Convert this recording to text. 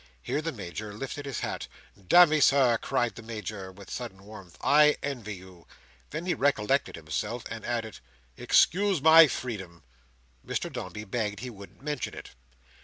Here the Major lifted his hat. "Damme, Sir," cried the Major with sudden warmth, "I envy you." Then he recollected himself, and added, "Excuse my freedom." Mr Dombey begged he wouldn't mention it.